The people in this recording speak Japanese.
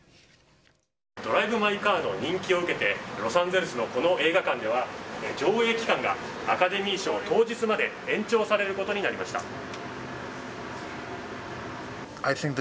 ドライブ・マイ・カーの人気を受けて、ロサンゼルスのこの映画館では、上映期間が、アカデミー賞当日まで、延長されることになりました。